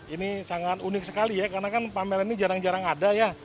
ini sangat unik sekali ya karena kan pameran ini jarang jarang ada ya